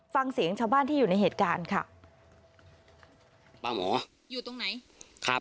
ฟังเสียงชาวบ้านที่อยู่ในเหตุการณ์ค่ะ